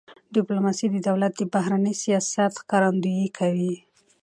ډيپلوماسي د دولت د بهرني سیاست ښکارندویي کوي.